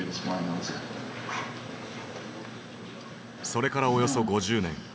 それからおよそ５０年。